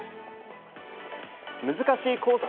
難しいコース